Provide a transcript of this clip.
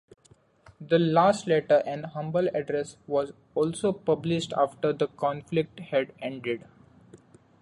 The last letter, "An Humble Address", was also published after the conflict had ended.